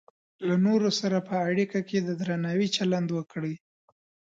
له نورو سره په اړیکه کې د درناوي چلند وکړئ.